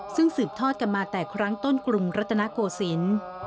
ซึ่งสืบทอดกันมาแต่ครั้งต้นกรุงรัตนโกศิลป์